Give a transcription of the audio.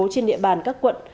trên địa bàn các quận